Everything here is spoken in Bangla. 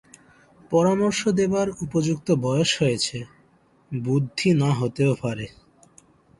পরামর্শ দেবার উপযুক্ত বয়স হয়েছে, বুদ্ধি না হতেও পারে।